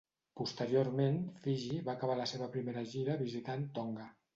Posteriorment Fiji va acabar la seva primera gira visitant Tonga.